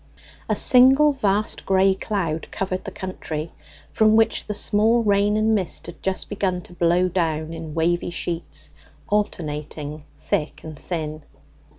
A single vast gray cloud covered the country, from which the small rain and mist had just begun to blow down in wavy sheets, alternately thick and thin.